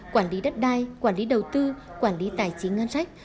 quản lý đất đai quản lý đầu tư quản lý tài chính ngân sách